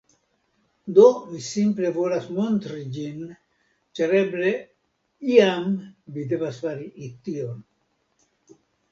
Do, mi simple volas montri ĝin ĉar eble iam vi devas fari tion